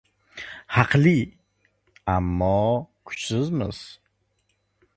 Haqli, ammo kuchsizmiz